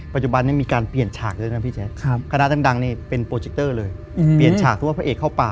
ปัจจุบันนี้มีการเปลี่ยนฉากด้วยนะพี่แจ๊ก